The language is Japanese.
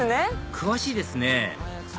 詳しいですね